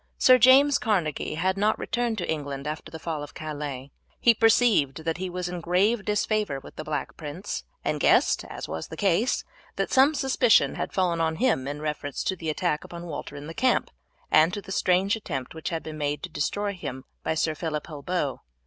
Sir James Carnegie had not returned to England after the fall of Calais; he perceived that he was in grave disfavour with the Black Prince, and guessed, as was the case, that some suspicion had fallen on him in reference to the attack upon Walter in the camp, and to the strange attempt which had been made to destroy him by Sir Phillip Holbeaut.